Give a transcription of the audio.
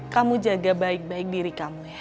kamu jaga baik baik diri kamu ya